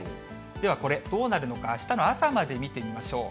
では、これ、どうなるのか、あしたの朝まで見てみましょう。